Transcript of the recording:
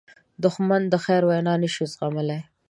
دښمن د خیر وینا نه شي زغملی